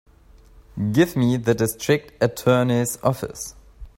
Give me the District Attorney's office.